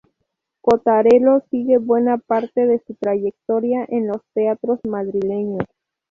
Cotarelo sigue buena parte de su trayectoria en los teatros madrileños.